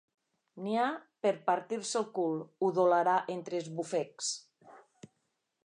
N'hi ha per partir-se el cul —udolarà entre esbufecs.